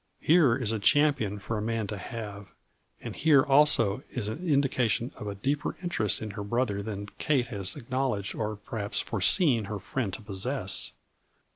Here is a champion for a man to have, and here also is an indication of a deeper interest in her brother than Kate has acknowledged or per haps foreseen her friend to possess.